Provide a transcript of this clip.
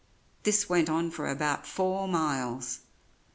This went on for about four miles.